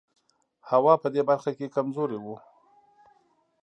هوا په دې برخه کې کمزوری و.